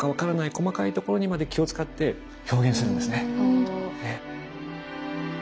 細かいところにまで気を遣って表現するんですね。